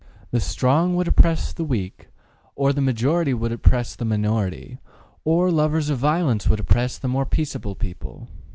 The strong would oppress the weak, or the majority would oppress the minority, or the lovers of violence would oppress the more peaceable people.